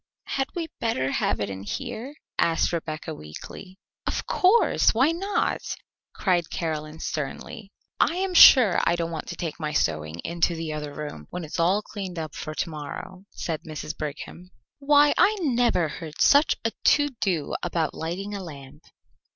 "Had we better have it in here?" asked Rebecca weakly. "Of course! Why not?" cried Caroline sternly. "I am sure I don't want to take my sewing into the other room, when it is all cleaned up for to morrow," said Mrs. Brigham. "Why, I never heard such a to do about lighting a lamp."